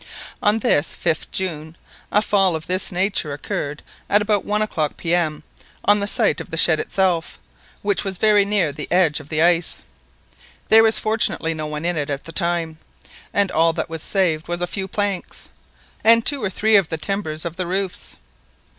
On this 5th June a fall of this nature occurred at about one o'clock P.M., on the site of the shed itself, which was very near the edge of the ice. There was fortunately no one in it at the time, and all that was saved was a few planks, and two or three of the timbers of the roofs.